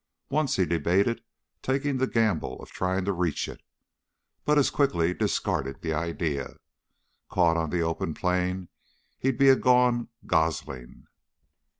Once he debated taking the gamble of trying to reach it, but as quickly discarded the idea. Caught on the open plain and he'd be a gone gosling.